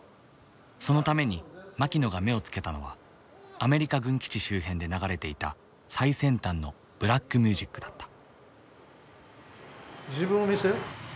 そのためにマキノが目をつけたのはアメリカ軍基地周辺で流れていた最先端のブラックミュージックだった。